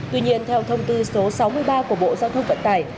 tuy nhiên theo thông tư số sáu mươi ba của bộ giao thông vận tải